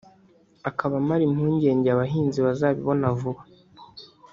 akaba amara impungenge abahinzi bazabibona vuba